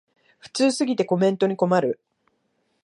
普通すぎてコメントに困る